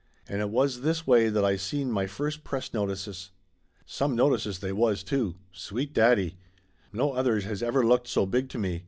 And it was this way that I seen my first press no tices. Some notices, they was, too! Sweet daddy! No others has ever looked so big to me.